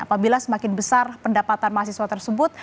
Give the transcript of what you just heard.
apabila semakin besar pendapatan mahasiswa tersebut